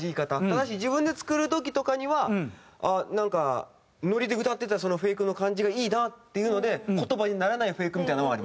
ただし自分で作る時とかにはなんかノリで歌ってたそのフェイクの感じがいいなっていうので言葉にならないフェイクみたいなのはあります。